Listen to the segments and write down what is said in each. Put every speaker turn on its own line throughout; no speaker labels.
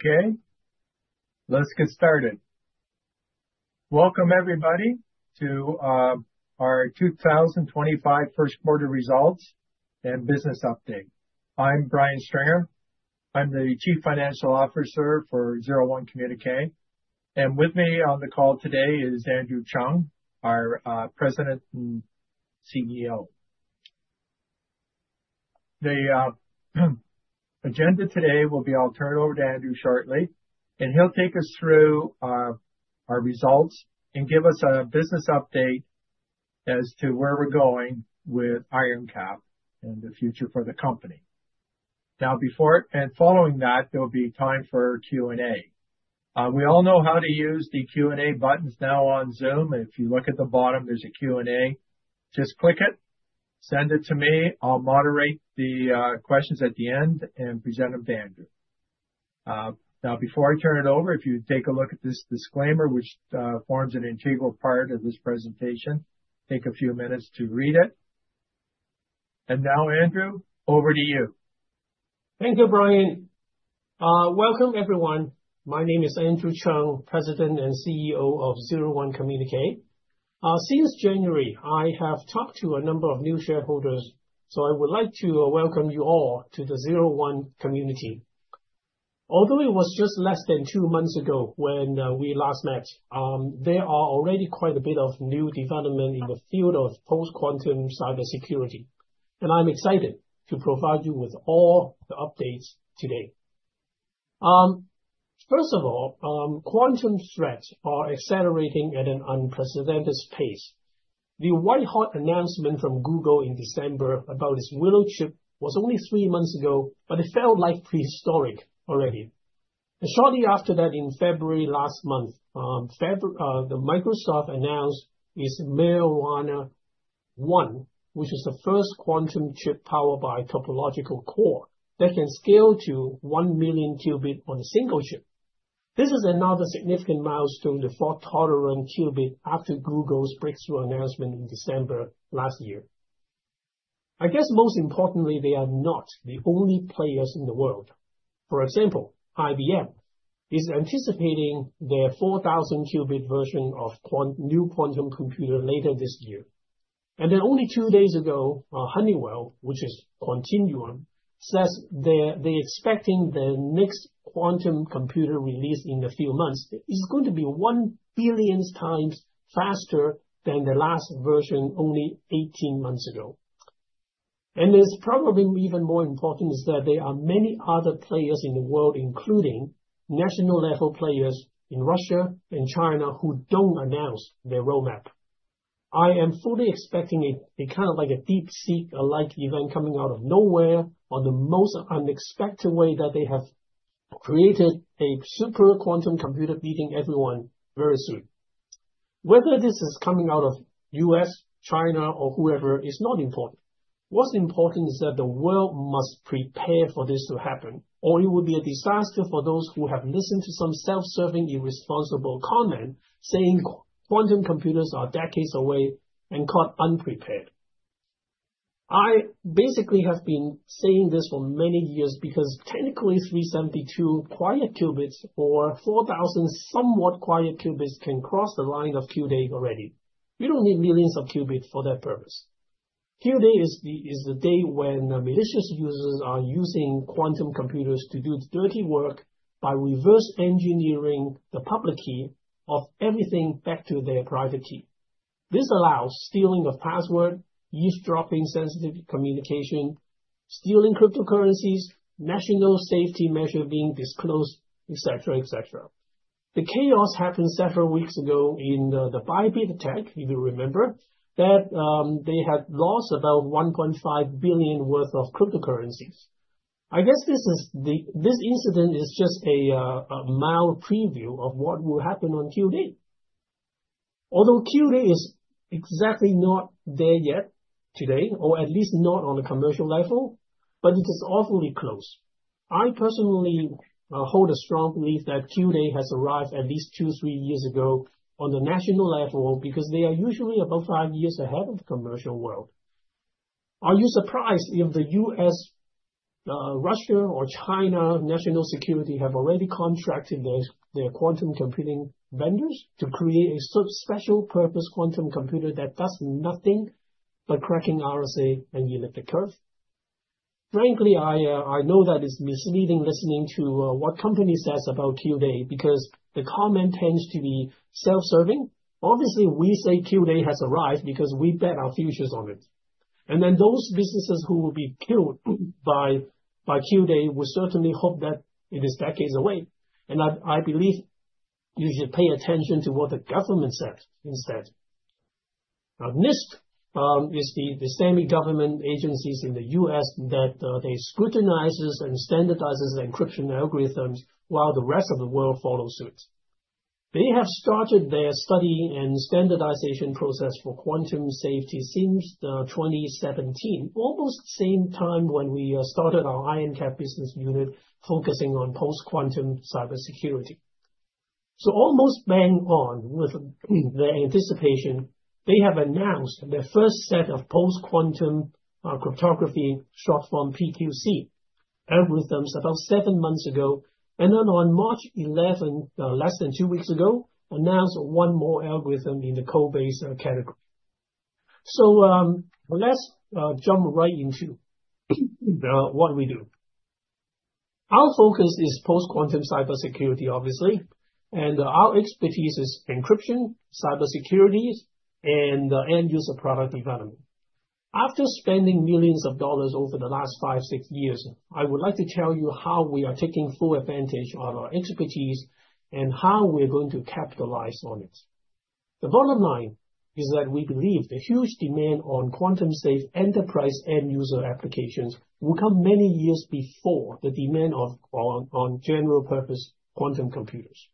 Okay, let's get started. Welcome everybody to our 2025 first quarter results and business update. I'm Brian Stringer. I'm the Chief Financial Officer for 01 Communique. With me on the call today is Andrew Cheung, our President and CEO. The agenda today will be I'll turn it over to Andrew shortly, and he'll take us through our results and give us a business update as to where we're going with IronCAP and the future for the company. Following that, there'll be time for Q&A. We all know how to use the Q&A buttons now on Zoom. If you look at the bottom, there's a Q&A. Just click it, send it to me. I'll moderate the questions at the end and present them to Andrew. Now, before I turn it over, if you take a look at this disclaimer, which forms an integral part of this presentation. Take a few minutes to read it. Now, Andrew, over to you.
Thank you, Brian Stringer. Welcome everyone. My name is Andrew Cheung, President and CEO of 01 Communique. Since January, I have talked to a number of new shareholders. I would like to welcome you all to the 01 community. Although it was just less than two months ago when we last met, there are already quite a bit of new development in the field of post-quantum cybersecurity. I'm excited to provide you with all the updates today. First of all, quantum threats are accelerating at an unprecedented pace. The white-hot announcement from Google in December about its Willow chip was only three months ago. It felt like prehistoric already. Shortly after that, in February last month, Microsoft announced its Majorana 1, which is the first quantum chip powered by topological core that can scale to 1 million qubit on a single chip. This is another significant milestone, the fault-tolerant qubit after Google's breakthrough announcement in December last year. I guess most importantly, they are not the only players in the world. For example, IBM is anticipating their 4,000 qubit version of new quantum computer later this year. Only two days ago, Honeywell, which is Quantinuum, says they're expecting their next quantum computer release in a few months is going to be 1 billions times faster than the last version only 18 months ago. It's probably even more important is that there are many other players in the world, including national-level players in Russia and China who don't announce their roadmap. I am fully expecting a kind of like a DeepSeek, alike event coming out of nowhere or the most unexpected way that they have created a super quantum computer beating everyone very soon. Whether this is coming out of U.S., China, or whoever is not important. What's important is that the world must prepare for this to happen, or it would be a disaster for those who have listened to some self-serving, irresponsible comment saying quantum computers are decades away and caught unprepared. I basically have been saying this for many years because technically, 372 quiet qubits or 4,000 somewhat quiet qubits can cross the line of Q-Day already. We don't need millions of qubits for that purpose. Q-Day is the day when malicious users are using quantum computers to do dirty work by reverse engineering the public key of everything back to their private key. This allows stealing of password, eavesdropping sensitive communication, stealing cryptocurrencies, national safety measure being disclosed, et cetera, et cetera. The chaos happened several weeks ago in the Bybit, if you remember, that they had lost about 1.5 billion worth of cryptocurrencies. I guess this incident is just a mild preview of what will happen on Q-Day. Q-Day is exactly not there yet today, or at least not on a commercial level, but it is awfully close. I personally hold a strong belief that Q-Day has arrived at least two, three years ago on the national level because they are usually about five years ahead of the commercial world. Are you surprised if the U.S., Russia or China National Security have already contracted those, their quantum computing vendors to create a special purpose quantum computer that does nothing but cracking RSA and Elliptic Curve? Frankly, I know that it's misleading listening to what company says about Q-Day because the comment tends to be self-serving. Obviously, we say Q-Day has arrived because we bet our futures on it. Then those businesses who will be killed by Q-Day will certainly hope that it is decades away. I believe you should pay attention to what the government said instead. NIST is the semi-government agencies in the U.S. that they scrutinizes and standardizes the encryption algorithms while the rest of the world follows suit. They have started their study and standardization process for quantum safety since 2017, almost the same time when we started our IronCAP business unit focusing on post-quantum cybersecurity. Almost bang on with their anticipation, they have announced their first set of post-quantum cryptography, short form PQC, algorithms about seven months ago. On March 11, less than two weeks ago, announced one more algorithm in the code-based category. Let's jump right into what we do. Our focus is post-quantum cybersecurity, obviously, and our expertise is encryption, cybersecurity, and end user product development. After spending millions of dollars over the last five, six years, I would like to tell you how we are taking full advantage of our expertise and how we're going to capitalize on it. The bottom line is that we believe the huge demand on quantum safe enterprise end user applications will come many years before the demand on general purpose quantum computers.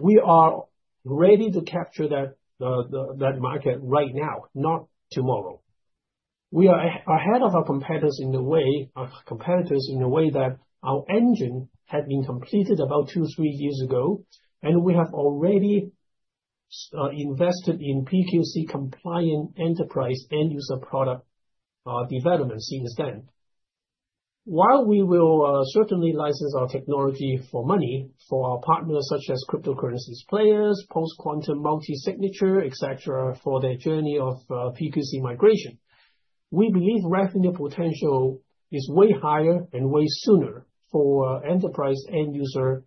We are ready to capture that market right now, not tomorrow. We are ahead of our competitors in the way that our engine had been completed about two, three years ago, and we have already invested in PQC-compliant enterprise end user product development since then. While we will certainly license our technology for money for our partners such as cryptocurrencies players, post-quantum multi-signature, et cetera, for their journey of PQC migration, we believe revenue potential is way higher and way sooner for enterprise end user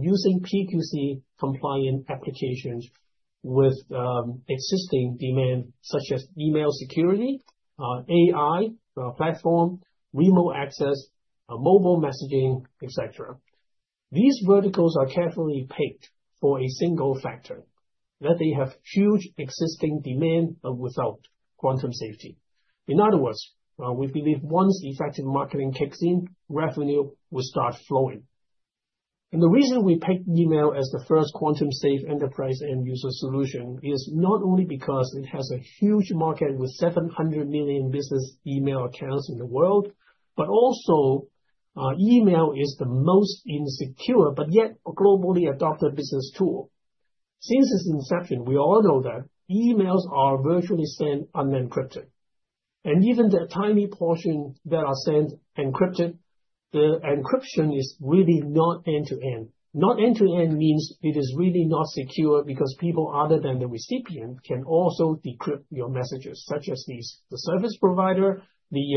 using PQC-compliant applications with existing demand such as email security, AI platform, remote access, mobile messaging, et cetera. These verticals are carefully picked for a single factor, that they have huge existing demand, but without quantum safety. In other words, we believe once effective marketing kicks in, revenue will start flowing. The reason we picked email as the first quantum safe enterprise end user solution is not only because it has a huge market with 700 million business email accounts in the world, but also email is the most insecure, but yet globally adopted business tool. Since its inception, we all know that emails are virtually sent unencrypted. Even the tiny portion that are sent encrypted, the encryption is really not end-to-end. Not end-to-end means it is really not secure because people other than the recipient can also decrypt your messages, such as these, the service provider, the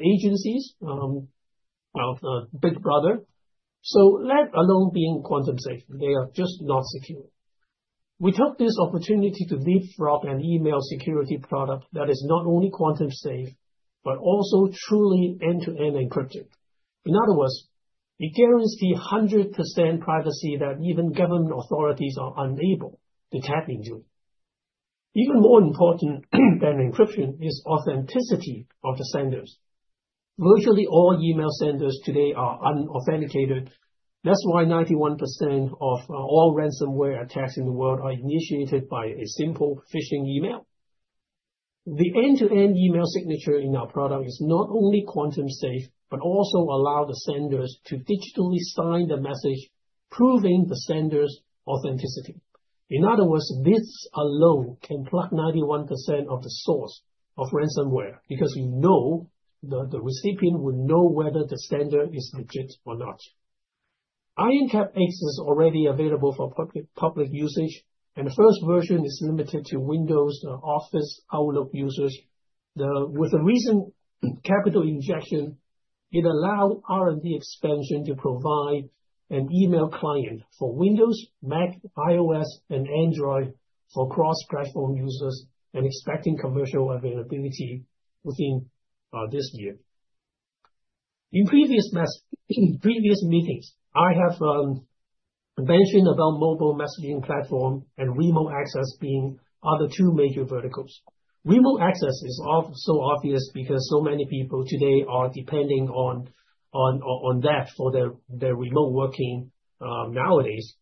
agencies, well, the big brother. Let alone being quantum safe, they are just not secure. We took this opportunity to leapfrog an email security product that is not only quantum safe, but also truly end-to-end encrypted. In other words, it guarantees 100% privacy that even government authorities are unable to tap into. Even more important than encryption is authenticity of the senders. Virtually all email senders today are unauthenticated. That's why 91% of all ransomware attacks in the world are initiated by a simple phishing email. The end-to-end email signature in our product is not only quantum safe, but also allow the senders to digitally sign the message, proving the sender's authenticity. In other words, this alone can plug 91% of the source of ransomware because you know the recipient will know whether the sender is legit or not. IronCAP X is already available for public usage, and the first version is limited to Windows Outlook users. With the recent capital injection, it allowed R&D expansion to provide an email client for Windows, Mac, iOS, and Android for cross-platform users and expecting commercial availability within this year. In previous meetings, I have mentioned about mobile messaging platform and remote access being other two major verticals. Remote access is so obvious because so many people today are depending on that for their remote working nowadays.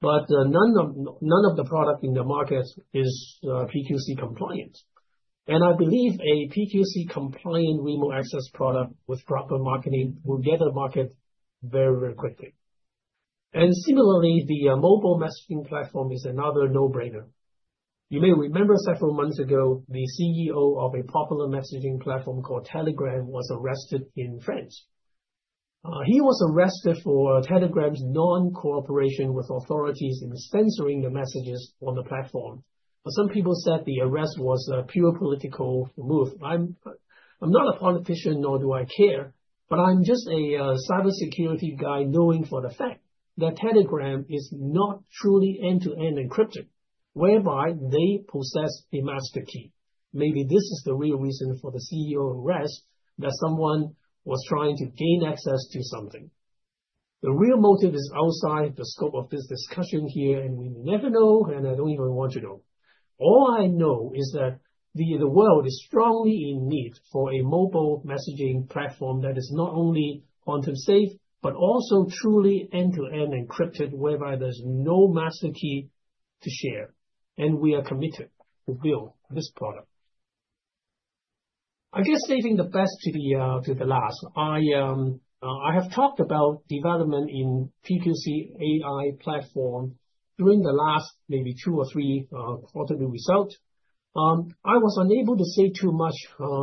None of the product in the market is PQC compliant. I believe a PQC-compliant remote access product with proper marketing will get a market very, very quickly. Similarly, the mobile messaging platform is another no-brainer. You may remember several months ago, the CEO of a popular messaging platform called Telegram was arrested in France. He was arrested for Telegram's non-cooperation with authorities in censoring the messages on the platform. Some people said the arrest was a pure political move. I'm not a politician, nor do I care, I'm just a cybersecurity guy knowing for a fact that Telegram is not truly end-to-end encrypted, whereby they possess the master key. Maybe this is the real reason for the CEO arrest, that someone was trying to gain access to something. The real motive is outside the scope of this discussion here, and we may never know, and I don't even want to know. All I know is that the world is strongly in need for a mobile messaging platform that is not only quantum safe, but also truly end-to-end encrypted, whereby there's no master key to share. We are committed to build this product. I guess saving the best to the last. I have talked about development in PQC AI platform during the last maybe two or three quarterly result. I was unable to say too much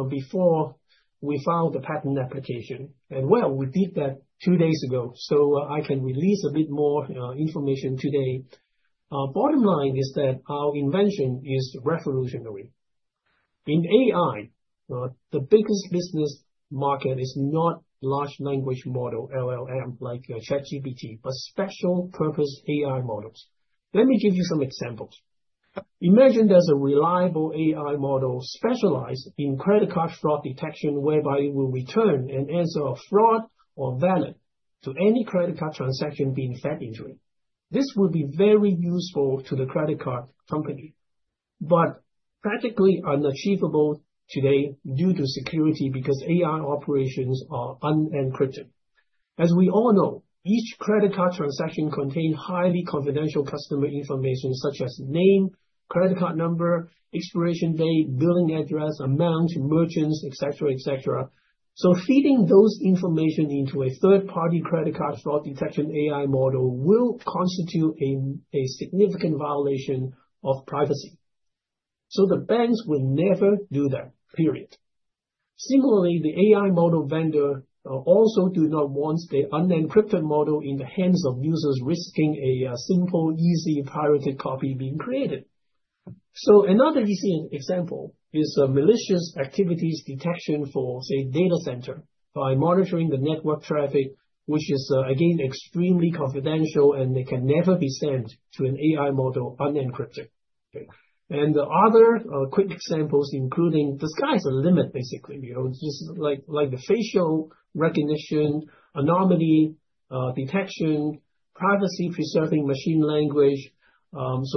before we filed the patent application. Well, we did that two days ago, so I can release a bit more information today. Bottom line is that our invention is revolutionary. In AI, the biggest business market is not large language model, LLM, like your ChatGPT, but special purpose AI models. Let me give you some examples. Imagine there's a reliable AI model specialized in credit card fraud detection, whereby it will return an answer of fraud or valid to any credit card transaction being fed into it. This would be very useful to the credit card company, but practically unachievable today due to security because AI operations are unencrypted. As we all know, each credit card transaction contain highly confidential customer information such as name, credit card number, expiration date, billing address, amount, merchants, et cetera, et cetera. Feeding those information into a third-party credit card fraud detection AI model will constitute a significant violation of privacy. The banks will never do that, period. Similarly, the AI model vendor also do not want the unencrypted model in the hands of users risking a simple, easy pirated copy being created. Another recent example is malicious activities detection for, say, data center by monitoring the network traffic, which is again, extremely confidential, and they can never be sent to an AI model unencrypted. Okay. The other quick examples. The sky is the limit, basically, you know, like the facial recognition, anomaly detection, privacy-preserving machine language.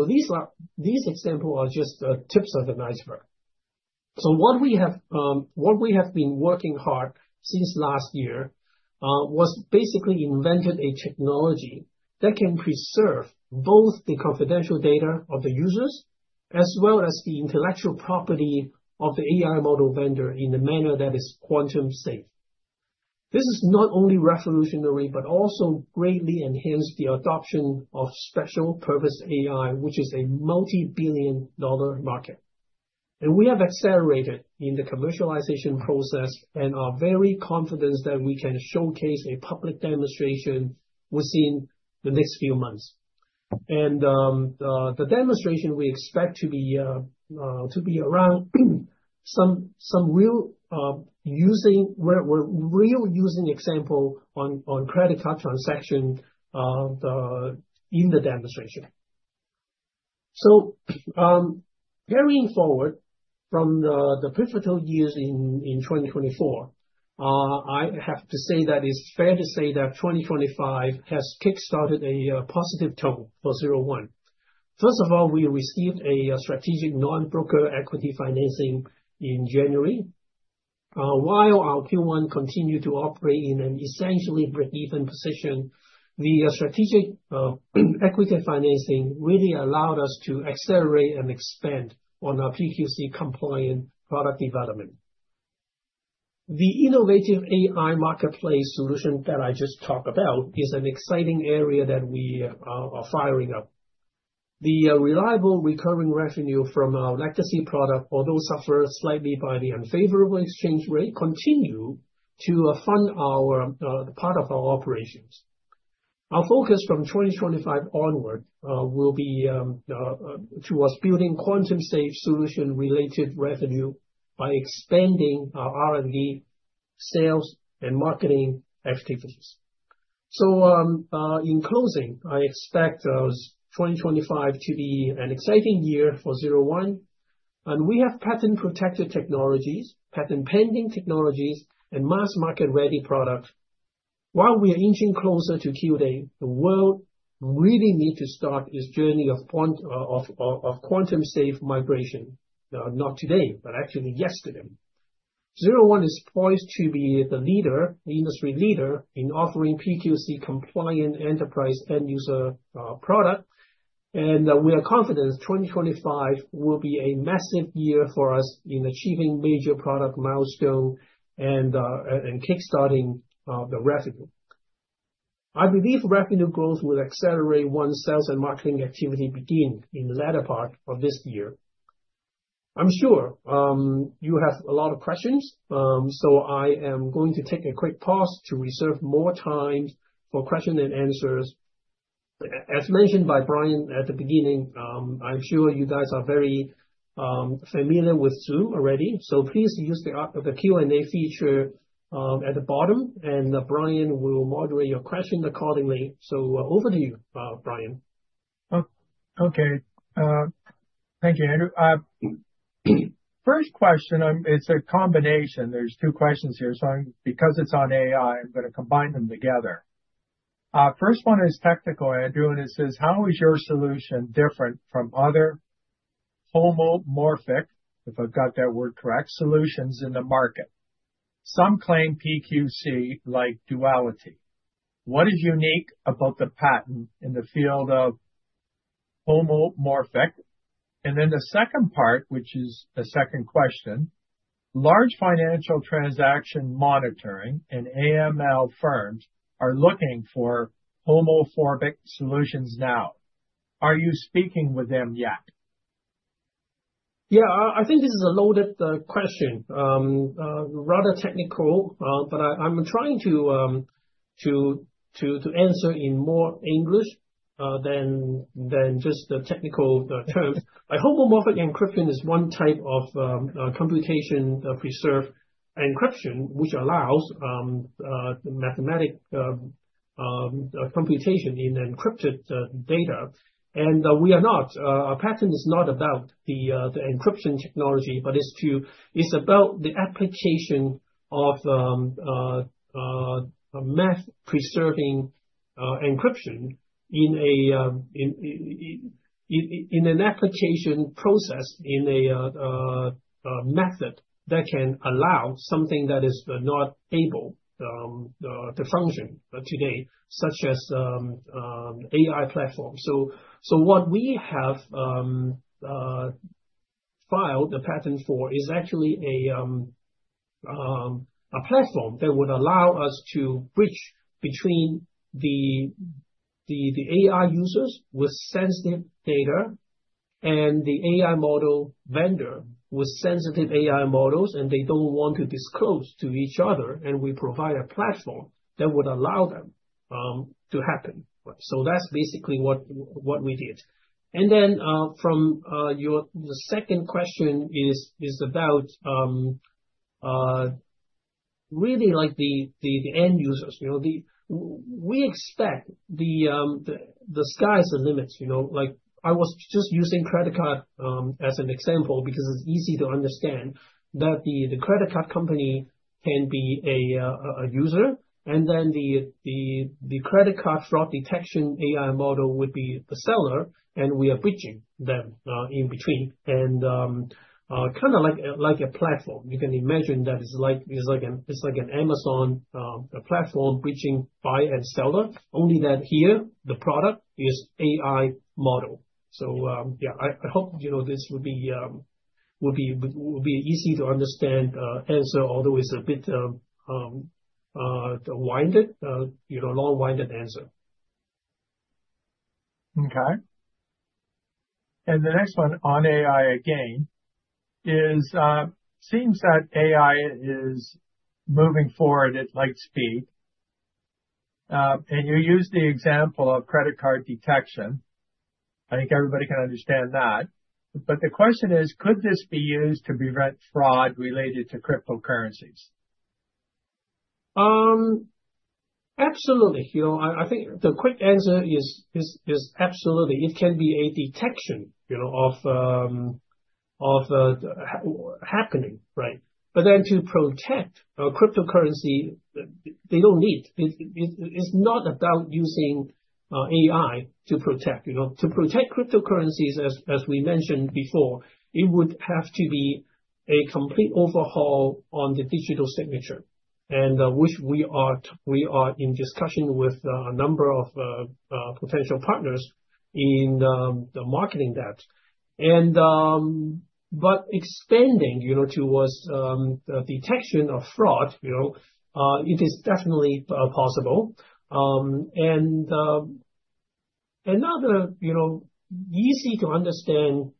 These examples are just tips of the iceberg. What we have, what we have been working hard since last year, was basically invented a technology that can preserve both the confidential data of the users as well as the intellectual property of the AI model vendor in a manner that is quantum safe. This is not only revolutionary, but also greatly enhance the adoption of special purpose AI, which is a multi-billion dollar market. We have accelerated in the commercialization process and are very confident that we can showcase a public demonstration within the next few months. The demonstration we expect to be to be around some real using example on credit card transaction in the demonstration. Carrying forward from the pivotal years in 2024, I have to say that it's fair to say that 2025 has kickstarted a positive term for 01. First of all, we received a strategic non-broker equity financing in January. While our Q1 continued to operate in an essentially breakeven position, the strategic equity financing really allowed us to accelerate and expand on our PQC compliant product development. The innovative AI marketplace solution that I just talked about is an exciting area that we are firing up. The reliable recurring revenue from our legacy product, although suffer slightly by the unfavorable exchange rate, continue to fund the part of our operations. Our focus from 2025 onward will be towards building quantum safe solution-related revenue by expanding our R&D, sales, and marketing activities. In closing, I expect 2025 to be an exciting year for 01. We have patent-protected technologies, patent-pending technologies, and mass market ready products. While we are inching closer to Q-Day, the world really need to start its journey of quantum safe migration, not today, but actually yesterday. 01 is poised to be the leader, the industry leader in offering PQC compliant enterprise end user product. We are confident 2025 will be a massive year for us in achieving major product milestone and kickstarting the revenue. I believe revenue growth will accelerate once sales and marketing activity begin in the latter part of this year. I'm sure you have a lot of questions, so I am going to take a quick pause to reserve more time for question and answers. As mentioned by Brian at the beginning, I'm sure you guys are very familiar with Zoom already. Please use the Q&A feature at the bottom, and Brian will moderate your question accordingly. Over to you, Brian.
Okay. Thank you, Andrew. First question, it's a combination. There's two questions here. Because it's on AI, I'm gonna combine them together. First one is technical, Andrew, it says: How is your solution different from other homomorphic, if I've got that word correct, solutions in the market? Some claim PQC like Duality. What is unique about the patent in the field of homomorphic. The second part, which is the second question, large financial transaction monitoring and AML firms are looking for homomorphic solutions now. Are you speaking with them yet?
Yeah. I think this is a loaded question. Rather technical, but I'm trying to answer in more English than just the technical terms. A homomorphic encryption is one type of computation preserve encryption, which allows the mathematic computation in encrypted data. We are not. Our patent is not about the encryption technology, but it's about the application of math preserving encryption in an application process, in a method that can allow something that is not able to function today, such as AI platform. What we have filed a patent for is actually a platform that would allow us to bridge between the AI users with sensitive data and the AI model vendor with sensitive AI models, and they don't want to disclose to each other, and we provide a platform that would allow them to happen. That's basically what we did. From the second question is about really, like, the end users. You know, we expect the sky's the limit, you know. Like, I was just using credit card as an example because it's easy to understand that the credit card company can be a user, and then the credit card fraud detection AI model would be the seller, and we are bridging them in between. Kind of like a platform. You can imagine that it's like an Amazon platform bridging buyer and seller, only that here the product is AI model. Yeah. I hope, you know, this would be easy to understand answer, although it's a bit winded, you know, a long-winded answer.
Okay. The next one on AI again is, seems that AI is moving forward at light speed, and you used the example of credit card detection. I think everybody can understand that. The question is, could this be used to prevent fraud related to cryptocurrencies?
Absolutely. You know, I think the quick answer is absolutely. It can be a detection, you know, of happening, right? To protect a cryptocurrency, they don't need. It's not about using AI to protect. You know, to protect cryptocurrencies, as we mentioned before, it would have to be a complete overhaul on the digital signature and, which we are in discussion with a number of potential partners in the marketing that. Extending, you know, towards detection of fraud, you know, it is definitely possible. Another, you know, easy to understand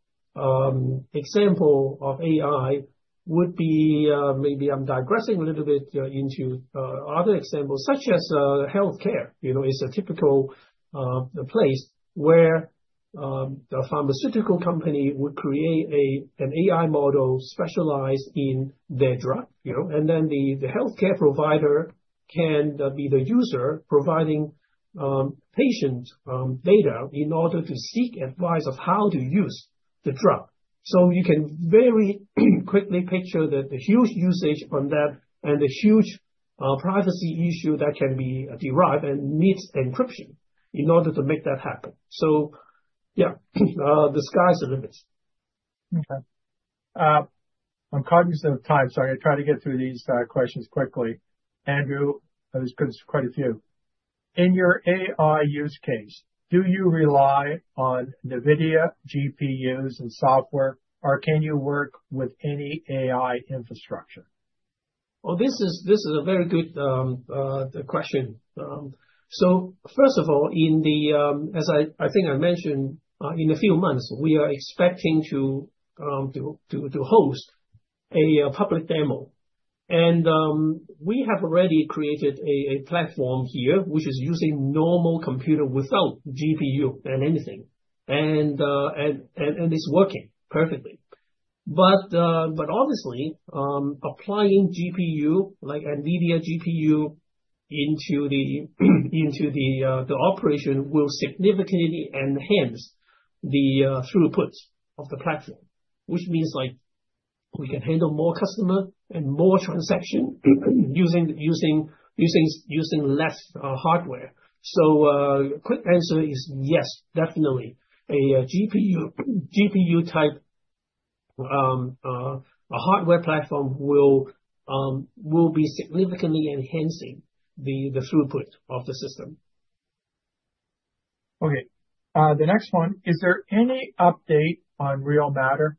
example of AI would be, maybe I'm digressing a little bit into other examples, such as healthcare. You know, it's a typical place where the pharmaceutical company would create an AI model specialized in their drug, you know. The healthcare provider can be the user providing patient data in order to seek advice of how to use the drug. You can very quickly picture the huge usage on that and the huge privacy issue that can be derived and needs encryption in order to make that happen. Yeah, the sky's the limit.
Okay. I'm conscious of time, so I try to get through these questions quickly. Andrew, there's quite a few. In your AI use case, do you rely on NVIDIA GPUs and software, or can you work with any AI infrastructure?
Well, this is a very good question. First of all, in the, as I think I mentioned, in a few months, we are expecting to host a public demo. We have already created a platform here, which is using normal computer without GPU and anything, and it's working perfectly. Obviously, applying GPU, like NVIDIA GPU, into the operation will significantly enhance the throughputs of the platform. Which means, like, we can handle more customer and more transaction using less hardware. Quick answer is yes, definitely. A GPU-type hardware platform will be significantly enhancing the throughput of the system.
Okay. The next one. Is there any update on Real Matter?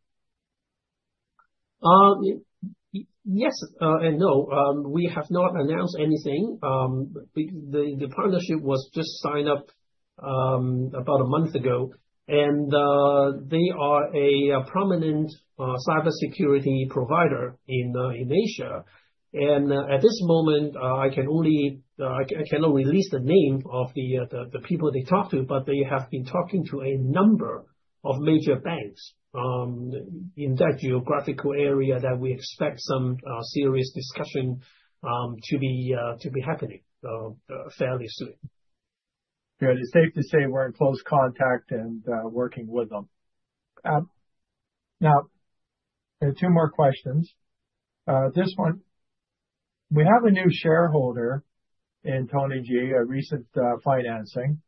Yes, and no. We have not announced anything. The partnership was just signed up about a month ago, and they are a prominent cybersecurity provider in Asia. At this moment, I cannot release the name of the people they talk to, but they have been talking to a number of major banks in that geographical area that we expect some serious discussion to be happening fairly soon.
Yeah. It's safe to say we're in close contact and working with them. There are two more questions. This one, we have a new shareholder in Antanas Guoga, a recent financing.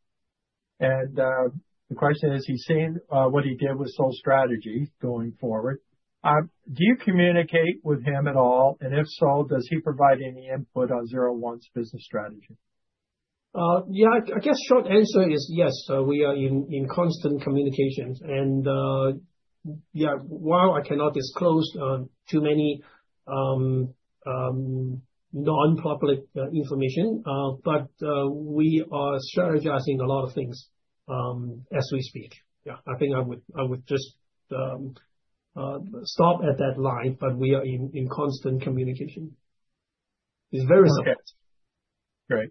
The question is he's seen what he did with sole strategy going forward. Do you communicate with him at all? If so, does he provide any input on 01 business strategy?
I guess short answer is yes. We are in constant communications. While I cannot disclose too many non-public information, we are strategizing a lot of things as we speak. I think I would just stop at that line, but we are in constant communication. It's very simple.
Okay. Great.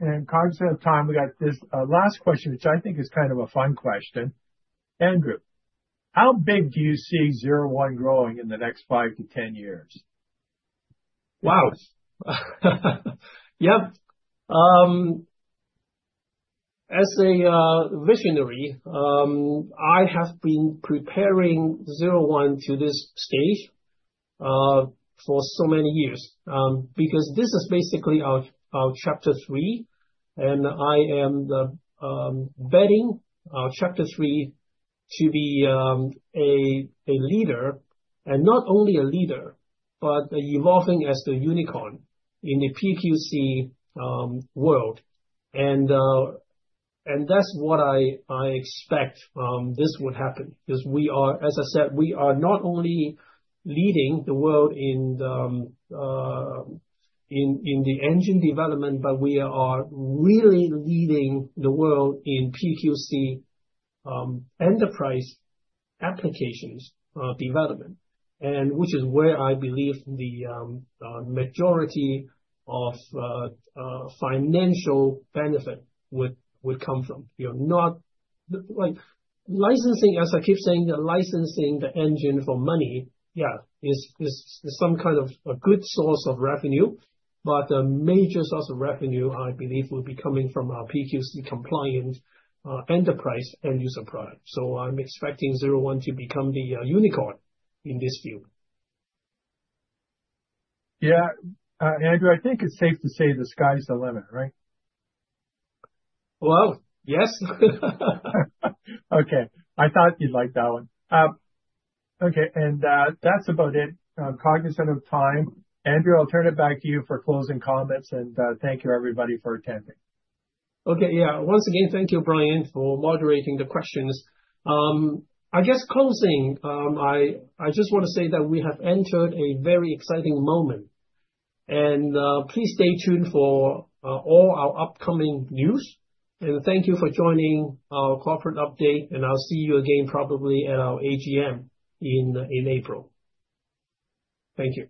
Cognizant of time, we got this last question, which I think is kind of a fun question. Andrew, how big do you see 01 growing in the next five to 10 years?
Wow. Yeah. As a visionary, I have been preparing 01 to this stage for so many years. Because this is basically our chapter three, and I am the betting chapter three to be a leader, not only a leader, but evolving as the unicorn in the PQC world. That's what I expect this would happen, 'cause we are, as I said, not only leading the world in the engine development, but we are really leading the world in PQC enterprise applications development, which is where I believe the majority of financial benefit would come from. You know. Like licensing, as I keep saying, licensing the engine for money, yeah, is, is some kind of a good source of revenue. The major source of revenue, I believe, will be coming from our PQC compliant, enterprise end user product. I'm expecting 01 to become the unicorn in this field.
Yeah. Andrew, I think it's safe to say the sky's the limit, right?
Well, yes.
Okay. I thought you'd like that one. Okay. That's about it. Cognizant of time. Andrew, I'll turn it back to you for closing comments. Thank you everybody for attending.
Okay. Yeah. Once again, thank you, Brian, for moderating the questions. I guess closing, I just wanna say that we have entered a very exciting moment. Please stay tuned for all our upcoming news. Thank you for joining our corporate update, and I'll see you again probably at our AGM in April. Thank you.